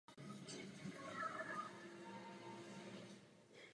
V září a únoru je pak pravidelně pořádán tematický den pro veřejnost.